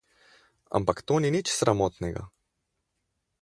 Ampak to ni nič sramotnega.